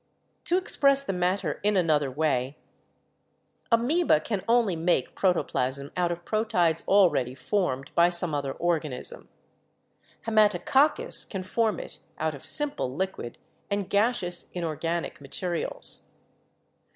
"To express the matter in another way: Amoeba can only make protoplasm out of proteids already formed by some other organism ; Haematococcus can form it out of simple liquid and gaseous inorganic materials.